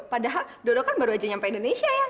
padahal dodo kan baru aja sampai indonesia ya